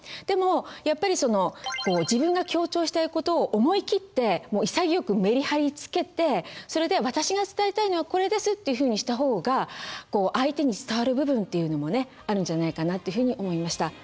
でもやっぱり自分が強調したい事を思い切って潔くメリハリつけてそれで「私が伝えたいのはこれです」っていうふうにした方が相手に伝わる部分っていうのもねあるんじゃないかなというふうに思いました。